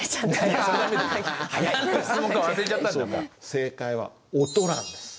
正解は音なんです。